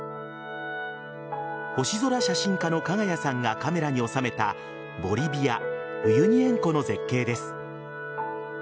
星空写真家のＫＡＧＡＹＡさんがカメラに収めたボリビア・ウユニ塩湖の絶景です。